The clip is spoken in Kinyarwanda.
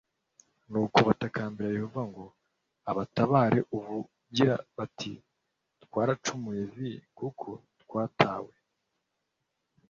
nuko batakambira yehova ngo abatabare u bagira bati twaracumuye v kuko twataye